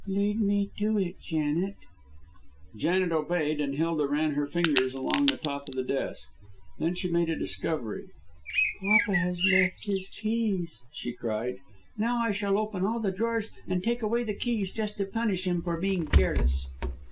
"Lead me to it, Janet." Janet obeyed, and Hilda ran her fingers along the top of the desk. Then she made a discovery. "Papa has left his keys," she cried. "Now, I shall open all the drawers and take away the keys, just to punish him for being careless."